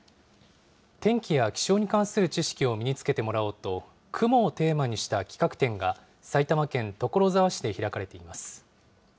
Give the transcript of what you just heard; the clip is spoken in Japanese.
天気や気象に関する知識を身につけてもらおうと、雲をテーマにした企画展が埼玉県所沢市で開かれています。